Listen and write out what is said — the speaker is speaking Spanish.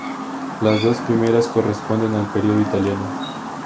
Las dos primeras corresponden al periodo italiano.